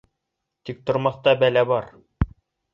Тиктормаҫта бәлә бар.